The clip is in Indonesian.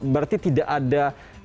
berarti tidak ada